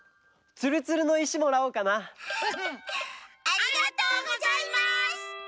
ありがとうございます！